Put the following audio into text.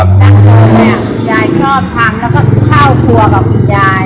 ตั้งแต่คุณยายชอบทำแล้วก็เข้าครัวกับคุณยาย